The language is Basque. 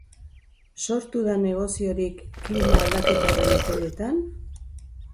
Sortu da negoziorik klima aldaketaren epeletan?